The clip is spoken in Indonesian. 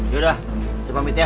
yaudah saya pamit ya